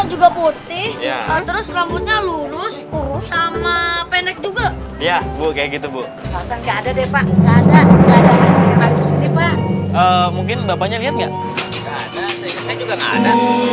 juga putih terus rambutnya lurus sama pendek juga ya bu kayak gitu bu nggak ada ada mungkin